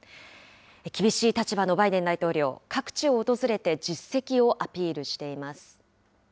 厳しい立場のバイデン大統領、各地を訪れて実績をアピールしています。